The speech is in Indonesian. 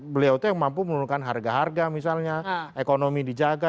beliau itu yang mampu menurunkan harga harga misalnya ekonomi dijaga